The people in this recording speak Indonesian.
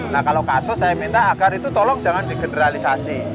nah kalau kasus saya minta agar itu tolong jangan digeneralisasi